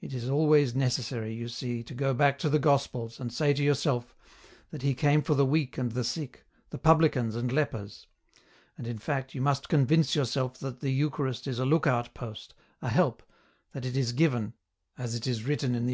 >it is always necessary, you see, to go back to the Gospels, and say to yourself that He came for the weak and the sick, the publicans and lepers ; and, in fact, you must convince yourself that the Eucharist is a look out post, a help, that it is given, as it is written in the EN ROUTE.